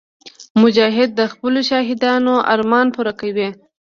مجاهد د خپلو شهیدانو ارمان پوره کوي.